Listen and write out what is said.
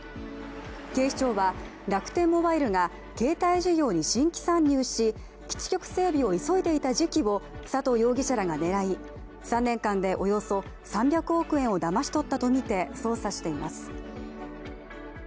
警視庁は楽天モバイルが携帯事業に新規参入し基地局整備を急いでいた時期を佐藤容疑者らが狙い３年間でおよそ３００億円をだまし取ったとみて捜査しています。